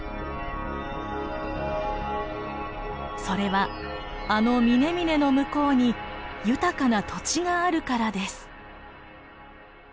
それはあの峰々の向こうに豊かな土地があるからです。